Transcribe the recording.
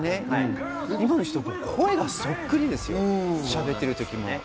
今の人、声がそっくりですよ、しゃべっている時も。